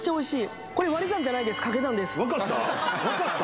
・分かった？